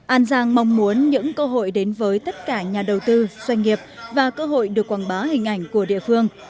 an giang mong muốn những cơ hội đến với tất cả nhà đầu tư doanh nghiệp và cơ hội được quảng bá hình ảnh của địa phương